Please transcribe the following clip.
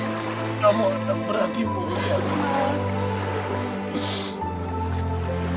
kamu adalah beratimu ya allah